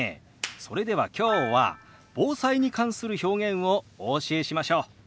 それでは今日は防災に関する表現をお教えしましょう。